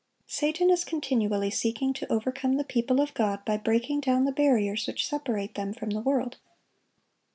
Satan is continually seeking to overcome the people of God by breaking down the barriers which separate them from the world.